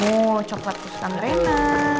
oh coklat kesukaan rena